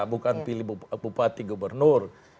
bukan pilih bupati gubernur